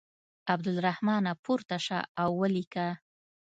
عبدالرحمانه پورته شه او ولیکه.